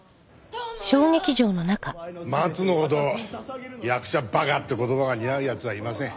松野ほど役者バカって言葉が似合う奴はいません。